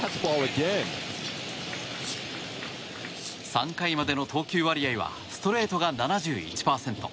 ３回までの投球割合はストレートが７１％。